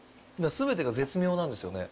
全てが絶妙なんですよね。